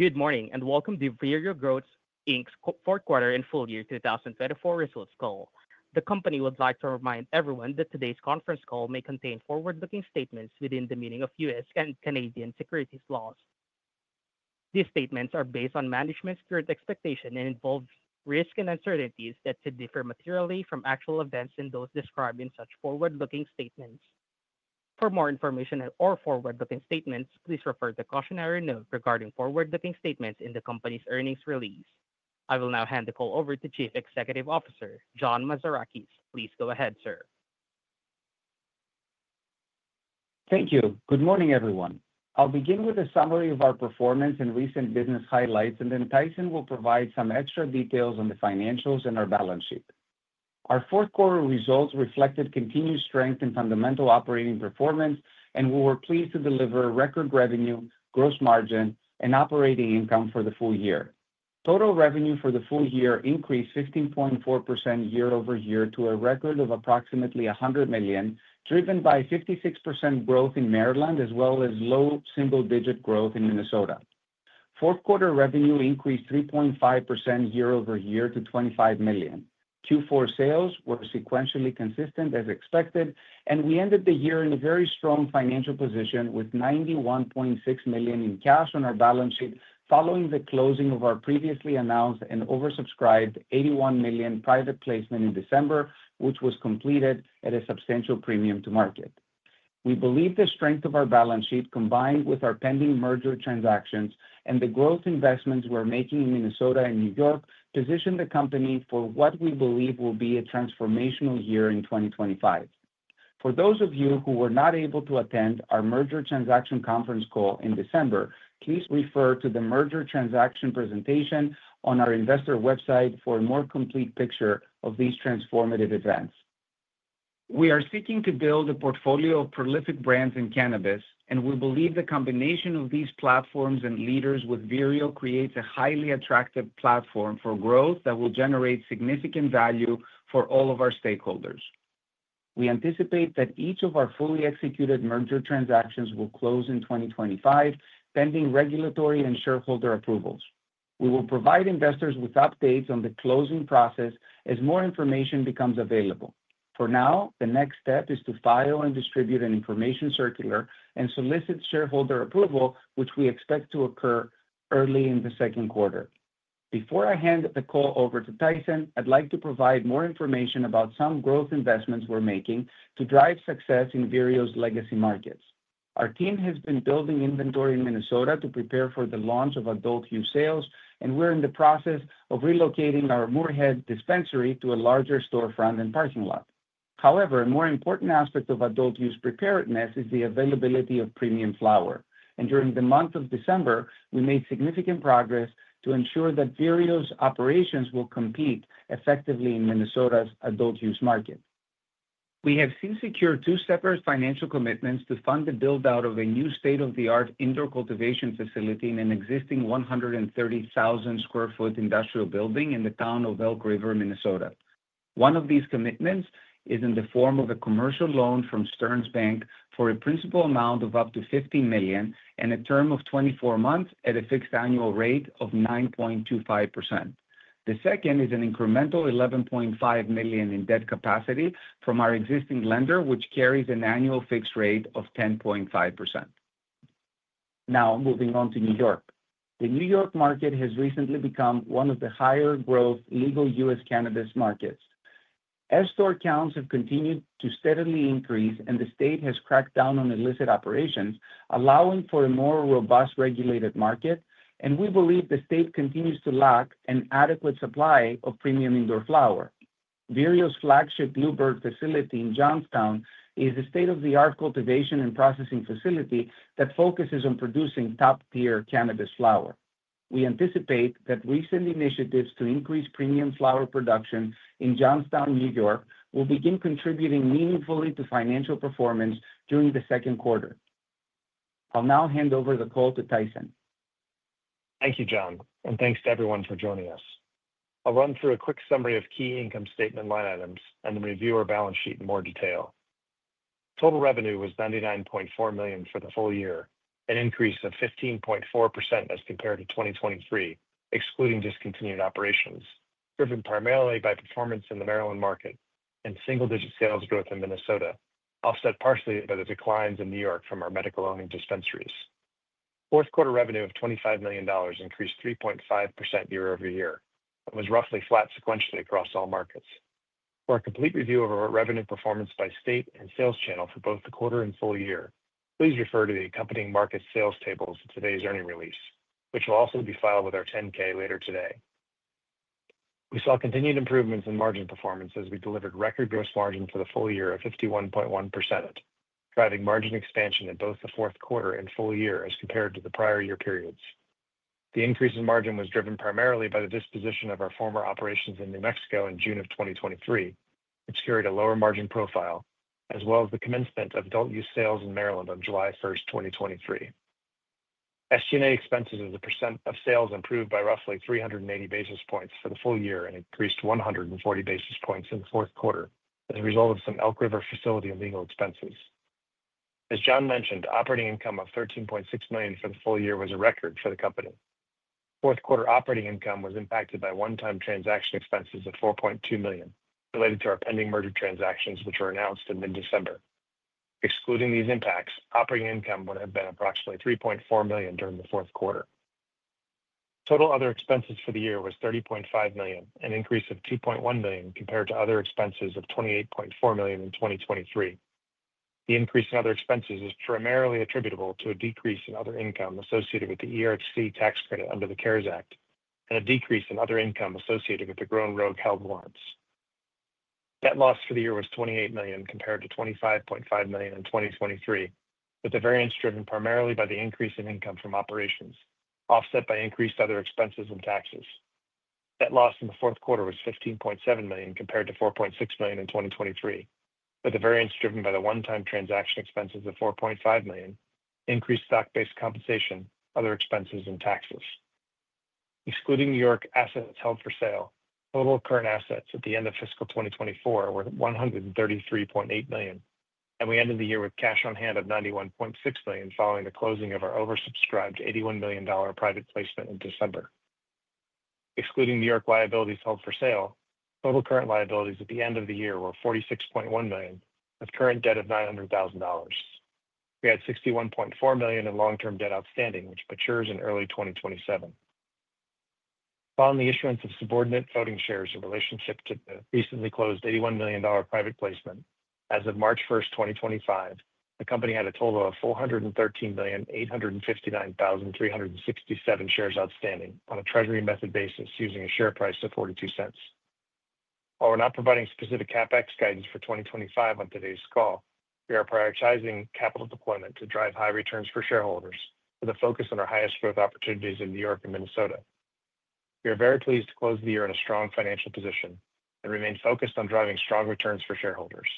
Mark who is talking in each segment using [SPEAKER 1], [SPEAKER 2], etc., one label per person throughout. [SPEAKER 1] Good morning, and welcome to Vireo Growth's Fourth Quarter and Full Year 2024 Results Call. The company would like to remind everyone that today's conference call may contain forward-looking statements within the meaning of U.S. and Canadian securities laws. These statements are based on management's current expectation and involve risks and uncertainties that could differ materially from actual events in those described in such forward-looking statements. For more information or forward-looking statements, please refer to the cautionary note regarding forward-looking statements in the company's earnings release. I will now hand the call over to Chief Executive Officer, John Mazarakis. Please go ahead, sir.
[SPEAKER 2] Thank you. Good morning, everyone. I'll begin with a summary of our performance and recent business highlights, and then Tyson will provide some extra details on the financials and our balance sheet. Our fourth quarter results reflected continued strength in fundamental operating performance, and we were pleased to deliver record revenue, gross margin, and operating income for the full year. Total revenue for the full year increased 15.4% year over year to a record of approximately $100 million, driven by 56% growth in Maryland, as well as low single-digit growth in Minnesota. Fourth quarter revenue increased 3.5% year over year to $25 million. Q4 sales were sequentially consistent, as expected, and we ended the year in a very strong financial position with $91.6 million in cash on our balance sheet, following the closing of our previously announced and oversubscribed $81 million private placement in December, which was completed at a substantial premium to market. We believe the strength of our balance sheet, combined with our pending merger transactions and the growth investments we're making in Minnesota and New York, position the company for what we believe will be a transformational year in 2025. For those of you who were not able to attend our merger transaction conference call in December, please refer to the merger transaction presentation on our investor website for a more complete picture of these transformative events. We are seeking to build a portfolio of prolific brands in cannabis, and we believe the combination of these platforms and leaders with Vireo creates a highly attractive platform for growth that will generate significant value for all of our stakeholders. We anticipate that each of our fully executed merger transactions will close in 2025, pending regulatory and shareholder approvals. We will provide investors with updates on the closing process as more information becomes available. For now, the next step is to file and distribute an information circular and solicit shareholder approval, which we expect to occur early in the second quarter. Before I hand the call over to Tyson, I'd like to provide more information about some growth investments we're making to drive success in Vireo's legacy markets. Our team has been building inventory in Minnesota to prepare for the launch of adult use sales, and we're in the process of relocating our Moorhead dispensary to a larger storefront and parking lot. However, a more important aspect of adult use preparedness is the availability of premium flower, and during the month of December, we made significant progress to ensure that Vireo's operations will compete effectively in Minnesota's adult use market. We have since secured two separate financial commitments to fund the build-out of a new state-of-the-art indoor cultivation facility in an existing 130,000 square feet industrial building in the town of Elk River, Minnesota. One of these commitments is in the form of a commercial loan from Stearns Bank for a principal amount of up to $50 million and a term of 24 months at a fixed annual rate of 9.25%. The second is an incremental $11.5 million in debt capacity from our existing lender, which carries an annual fixed rate of 10.5%. Now, moving on to New York. The New York market has recently become one of the higher-growth legal U.S. cannabis markets. Store counts have continued to steadily increase, and the state has cracked down on illicit operations, allowing for a more robust regulated market, and we believe the state continues to lack an adequate supply of premium indoor flower. Vireo's flagship Bluebird Facility in Johnstown is a state-of-the-art cultivation and processing facility that focuses on producing top-tier cannabis flower. We anticipate that recent initiatives to increase premium flower production in Johnstown, New York, will begin contributing meaningfully to financial performance during the second quarter. I'll now hand over the call to Tyson.
[SPEAKER 3] Thank you, John, and thanks to everyone for joining us. I'll run through a quick summary of key income statement line items and then review our balance sheet in more detail. Total revenue was $99.4 million for the full year, an increase of 15.4% as compared to 2023, excluding discontinued operations, driven primarily by performance in the Maryland market and single-digit sales growth in Minnesota, offset partially by the declines in New York from our medical-only dispensaries. Fourth quarter revenue of $25 million increased 3.5% year over year and was roughly flat sequentially across all markets. For a complete review of our revenue performance by state and sales channel for both the quarter and full year, please refer to the accompanying market sales tables in today's earnings release, which will also be filed with our 10-K later today. We saw continued improvements in margin performance as we delivered record gross margin for the full year of 51.1%, driving margin expansion in both the fourth quarter and full year as compared to the prior year periods. The increase in margin was driven primarily by the disposition of our former operations in New Mexico in June of 2023, which carried a lower margin profile, as well as the commencement of adult use sales in Maryland on July 1, 2023. SG&A expenses as a percent of sales improved by roughly 380 basis points for the full year and increased 140 basis points in the fourth quarter as a result of some Elk River facility and legal expenses. As John mentioned, operating income of $13.6 million for the full year was a record for the company. Fourth quarter operating income was impacted by one-time transaction expenses of $4.2 million, related to our pending merger transactions, which were announced in mid-December. Excluding these impacts, operating income would have been approximately $3.4 million during the fourth quarter. Total other expenses for the year were $30.5 million, an increase of $2.1 million compared to other expenses of $28.4 million in 2023. The increase in other expenses is primarily attributable to a decrease in other income associated with the ERC tax credit under the CARES Act and a decrease in other income associated with the Grown Rogue call warrants. Debt loss for the year was $28 million compared to $25.5 million in 2023, with the variance driven primarily by the increase in income from operations, offset by increased other expenses and taxes. Net loss in the fourth quarter was $15.7 million compared to $4.6 million in 2023, with the variance driven by the one-time transaction expenses of $4.5 million, increased stock-based compensation, other expenses, and taxes. Excluding New York assets held for sale, total current assets at the end of fiscal 2024 were $133.8 million, and we ended the year with cash on hand of $91.6 million following the closing of our oversubscribed $81 million private placement in December. Excluding New York liabilities held for sale, total current liabilities at the end of the year were $46.1 million, with current debt of $900,000. We had $61.4 million in long-term debt outstanding, which matures in early 2027. Following the issuance of subordinate voting shares in relationship to the recently closed $81 million private placement, as of March 1, 2025, the company had a total of 413,859,367 shares outstanding on a treasury method basis using a share price of $0.42. While we're not providing specific CapEx guidance for 2025 on today's call, we are prioritizing capital deployment to drive high returns for shareholders, with a focus on our highest growth opportunities in New York and Minnesota. We are very pleased to close the year in a strong financial position and remain focused on driving strong returns for shareholders.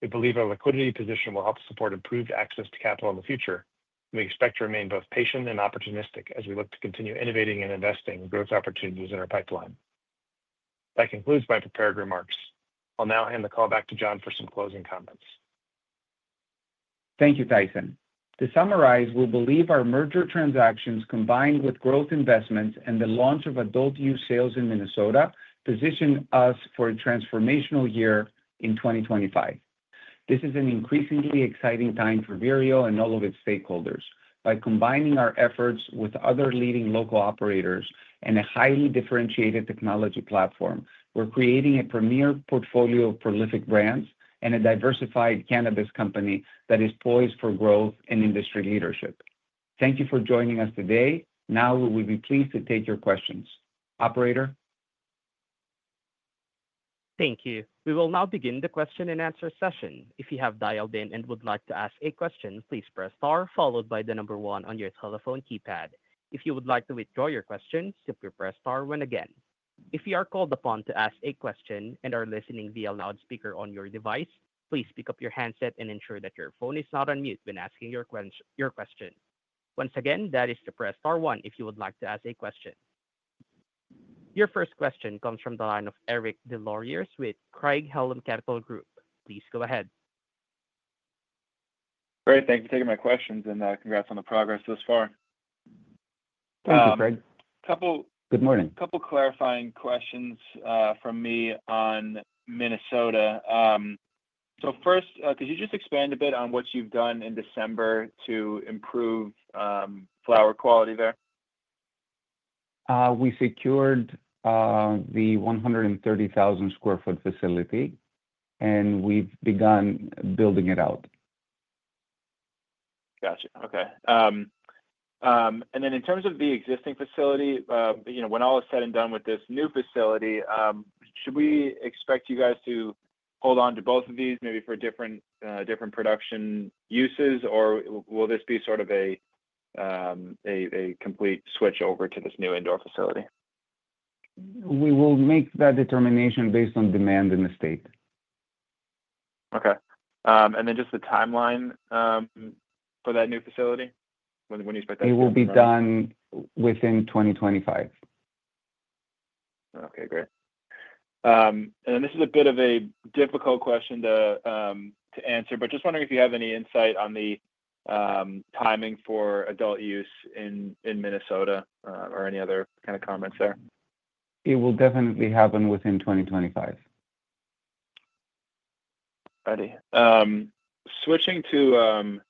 [SPEAKER 3] We believe our liquidity position will help support improved access to capital in the future, and we expect to remain both patient and opportunistic as we look to continue innovating and investing in growth opportunities in our pipeline. That concludes my prepared remarks. I'll now hand the call back to John for some closing comments.
[SPEAKER 2] Thank you, Tyson. To summarize, we believe our merger transactions combined with growth investments and the launch of adult use sales in Minnesota position us for a transformational year in 2025. This is an increasingly exciting time for Vireo and all of its stakeholders. By combining our efforts with other leading local operators and a highly differentiated technology platform, we're creating a premier portfolio of prolific brands and a diversified cannabis company that is poised for growth and industry leadership. Thank you for joining us today. Now, we will be pleased to take your questions. Operator.
[SPEAKER 1] Thank you. We will now begin the question-and-answer session. If you have dialed in and would like to ask a question, please press star followed by the number one on your telephone keypad. If you would like to withdraw your question, simply press star one again. If you are called upon to ask a question and are listening via loudspeaker on your device, please pick up your handset and ensure that your phone is not on mute when asking your question. Once again, that is to press star one if you would like to ask a question. Your first question comes from the line of Eric Des Lauriers with Craig-Hallum Capital Group. Please go ahead.
[SPEAKER 4] Great. Thank you for taking my questions, and congrats on the progress thus far.
[SPEAKER 5] Thank you, Eric.
[SPEAKER 4] Good morning. A couple of clarifying questions from me on Minnesota. First, could you just expand a bit on what you've done in December to improve flower quality there?
[SPEAKER 2] We secured the 130,000 square feet facility, and we've begun building it out.
[SPEAKER 4] Gotcha. Okay. In terms of the existing facility, when all is said and done with this new facility, should we expect you guys to hold on to both of these maybe for different production uses, or will this be sort of a complete switch over to this new indoor facility?
[SPEAKER 2] We will make that determination based on demand in the state.
[SPEAKER 4] Okay. Just the timeline for that new facility, when you expect that to be completed?
[SPEAKER 2] It will be done within 2025.
[SPEAKER 4] Okay. Great. This is a bit of a difficult question to answer, but just wondering if you have any insight on the timing for adult use in Minnesota or any other kind of comments there.
[SPEAKER 2] It will definitely happen within 2025.
[SPEAKER 4] All righty. Switching to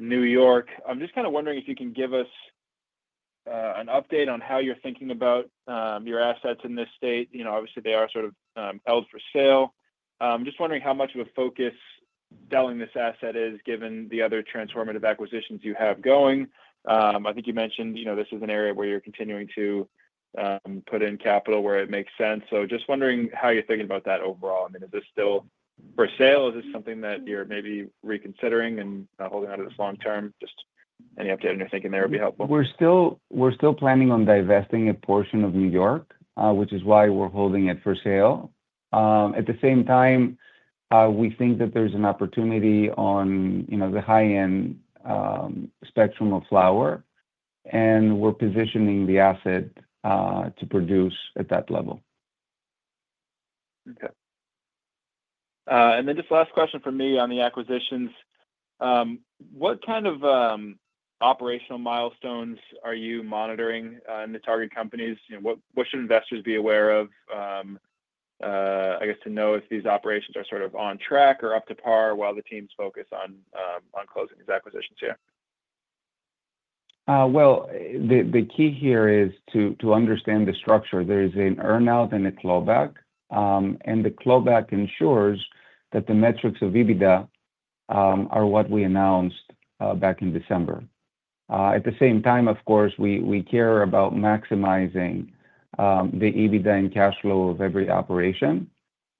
[SPEAKER 4] New York, I'm just kind of wondering if you can give us an update on how you're thinking about your assets in this state. Obviously, they are sort of held for sale. I'm just wondering how much of a focus selling this asset is given the other transformative acquisitions you have going. I think you mentioned this is an area where you're continuing to put in capital where it makes sense. Just wondering how you're thinking about that overall. I mean, is this still for sale? Is this something that you're maybe reconsidering and holding out of this long term? Just any update on your thinking there would be helpful.
[SPEAKER 2] We're still planning on divesting a portion of New York, which is why we're holding it for sale. At the same time, we think that there's an opportunity on the high-end spectrum of flower, and we're positioning the asset to produce at that level.
[SPEAKER 4] Okay. Just last question for me on the acquisitions. What kind of operational milestones are you monitoring in the target companies? What should investors be aware of, I guess, to know if these operations are sort of on track or up to par while the teams focus on closing these acquisitions here?
[SPEAKER 2] The key here is to understand the structure. There is an earn-out and a clawback, and the clawback ensures that the metrics of EBITDA are what we announced back in December. At the same time, of course, we care about maximizing the EBITDA and cash flow of every operation.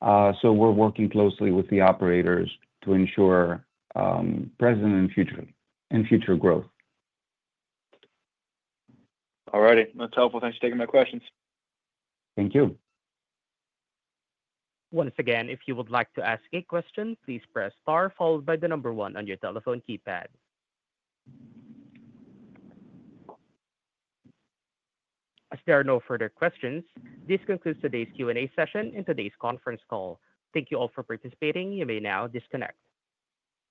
[SPEAKER 2] We are working closely with the operators to ensure present and future growth.
[SPEAKER 4] All righty. That's helpful. Thanks for taking my questions.
[SPEAKER 2] Thank you.
[SPEAKER 1] Once again, if you would like to ask a question, please press star followed by the number one on your telephone keypad. As there are no further questions, this concludes today's Q&A session in today's conference call. Thank you all for participating. You may now disconnect.